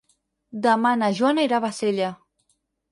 Demà na Joana irà a Bassella.